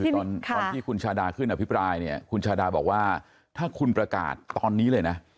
คือตอนที่คุณชาดาขึ้นอภิปรายเนี่ยคุณชาดาบอกว่าถ้าคุณประกาศตอนนี้เลยนะ